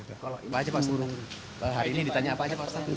apa aja pak hari ini ditanya apa aja pak